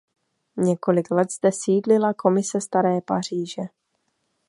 Několik let zde sídlila Komise staré Paříže.